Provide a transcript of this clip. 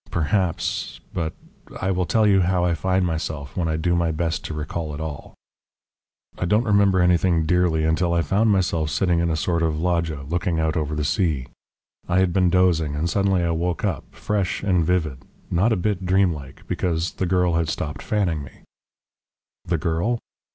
Perhaps But I will tell you how I find myself when I do my best to recall it all. I don't remember anything dearly until I found myself sitting in a sort of loggia looking out over the sea. I had been dozing, and suddenly I woke up fresh and vivid not a bit dream like because the girl had stopped fanning me." "The girl?"